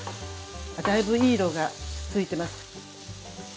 だいぶいい色が付いてます。